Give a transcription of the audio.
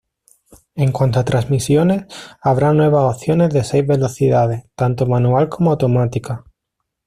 En cuanto a transmisiones, habrá nuevas opciones de seis velocidades, tanto manual como automática.